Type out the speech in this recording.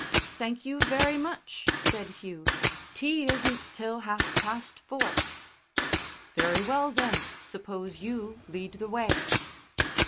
"Thank you very much," said Hugh. "Tea isn't till half past four." "Very well, then, suppose you lead the way."